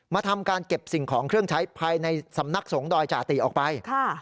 ทำการเก็บสิ่งของเครื่องใช้ภายในสำนักสงฆ์ดอยจาติออกไป